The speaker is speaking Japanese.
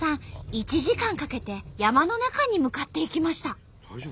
１時間かけて山の中に向かっていきました。